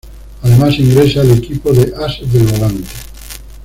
Además ingresa el equipo de Ases del Volante.